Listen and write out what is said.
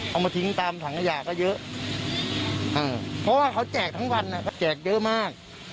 เอามาทิ้งตามถังขยะก็เยอะเพราะว่าเขาแจกทั้งวันก็แจกเยอะมาก